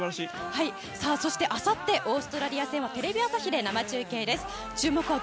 そして、あさってオーストラリア戦はテレビ朝日で生中継です。